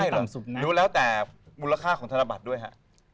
รู้แล้วแต่มูลค่าของธนบัตรด้วยฮะ